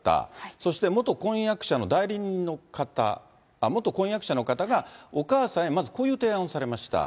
そして元婚約者の代理人の方、元婚約者の方が、お母さんへ、まずこういう提案をされました。